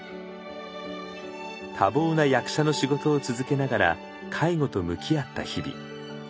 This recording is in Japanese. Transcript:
多忙な役者の仕事を続けながら介護と向き合った日々。